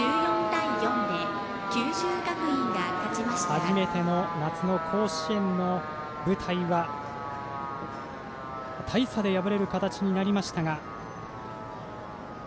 初めての夏の甲子園の舞台は大差で敗れる形になりましたが。